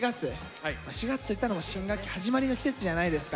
４月といったら新学期始まりの季節じゃないですか。